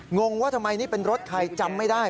งงว่าทำไมนี่เป็นรถใครจำไม่ได้